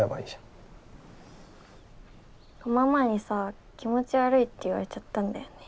ママにさ「気持ち悪い」って言われちゃったんだよね。